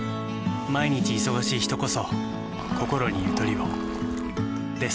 毎日忙しい人こそこころにゆとりをです。